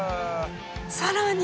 さらに。